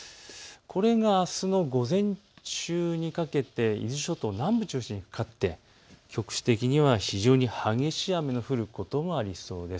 これがあすの午前中にかけて伊豆諸島南部中心にかかって局地的には非常に激しい雨が降ることもありそうです。